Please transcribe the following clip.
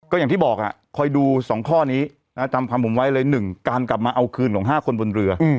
ก็อย่างที่บอกคอยดู๒ข้อนี้จำความผมไว้เลย๑การกลับมาเอาคืนของ๕คนบนเรือ